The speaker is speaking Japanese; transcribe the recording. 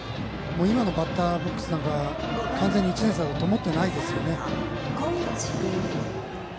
今のバッターボックスなんかはもう、完全に１年生とは思ってないですよね。